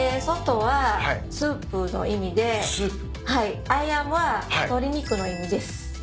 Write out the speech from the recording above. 「ソト」はスープの意味で「アヤム」は鶏肉の意味です。